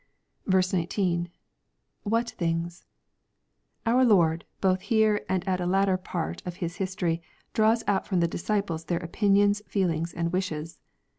19. —[ \Miat things f] Our Lord, both here and at a latter part of His history draws out from the disciples their opinions, feelings, and wishes.